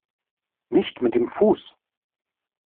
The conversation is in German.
Nicht mit dem Fuß!